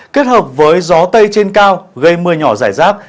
kết hợp với gió tây trên cao gây mưa nhỏ rải rác